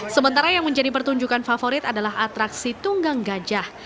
sementara yang menjadi pertunjukan favorit adalah atraksi tunggang gajah